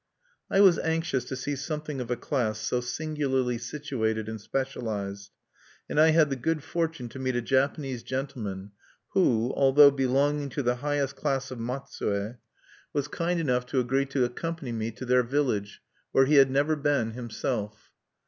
"I was anxious to see something of a class so singularly situated and specialized; and I had the good fortune to meet a Japanese gentleman who, although belonging to the highest class of Matsue, was kind enough to agree to accompany me to their village, where he had never been himself.